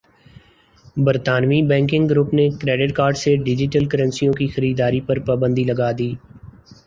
برطانوی banking group نے credit card سے ڈیجیٹل کرنسیوں کی خریداری پرپابندی لگادی